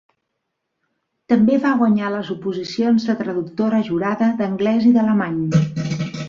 També va guanyar les oposicions de traductora jurada d'anglès i d'alemany.